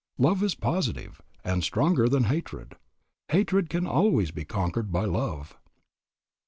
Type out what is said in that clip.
Love is positive, and stronger than hatred. Hatred can always be conquered by love.